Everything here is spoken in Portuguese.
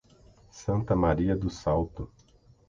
Santa Maria do Salto